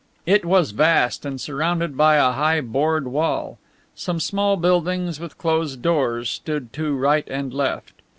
It was vast, and surrounded by a high board wall; some small buildings, with closed doors, stood to right and left.